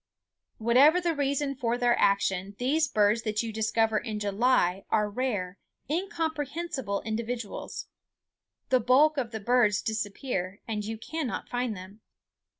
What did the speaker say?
Whatever the reason for their action, these birds that you discover in July are rare, incomprehensible individuals. The bulk of the birds disappear, and you cannot find them.